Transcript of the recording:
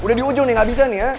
udah di ujung nih gabisa nih ya